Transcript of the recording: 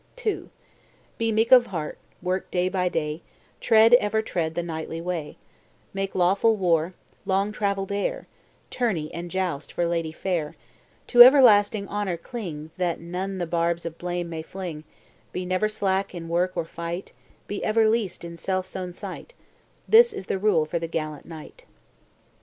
II. Be meek of heart; work day by day; Tread, ever tread, the knightly way; Make lawful war; long travel dare; Tourney and joust for lady fair; To everlasting honor cling, That none the barbs of blame may fling; Be never slack in work or fight; Be ever least in self's own sight; This is the rule for the gallant knight.